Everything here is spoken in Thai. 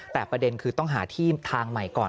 แต่ประเด็นคือต้องหาที่ทางใหม่ก่อน